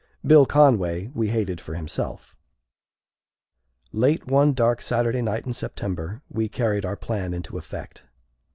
Bill Conway we hated for himself. Late one dark Saturday night in September we carried our plan into effect.